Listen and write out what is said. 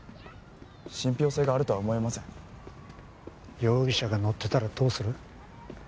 信ぴょう性があるとは思えません容疑者が乗ってたらどうする？